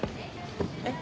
えっ？